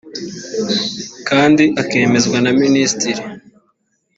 kandi akemezwa na minisitiri